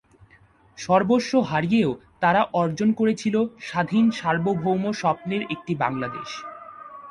সর্বস্ব হারিয়েও তারা অর্জন করেছিল স্বাধীন সার্বভৌম স্বপ্নের একটি বাংলাদেশ।